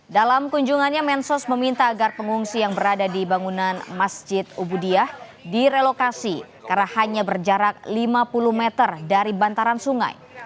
dalam kunjungannya mensos meminta agar pengungsi yang berada di bangunan masjid ubudiah direlokasi karena hanya berjarak lima puluh meter dari bantaran sungai